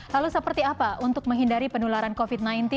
lalu seperti apa untuk menghindari penularan covid sembilan belas